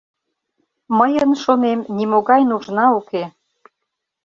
Мыйын, шонем, нимогай нужна уке.